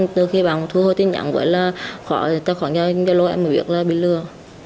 từ khi bà thu hồi tin nhắn với là tài khoản nhà lộ em bị lừa